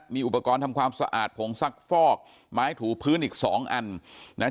มีอุปกรณ์ทำความสะอาดผงซักฟอกไม้ถูพื้นอีกสองอันนะ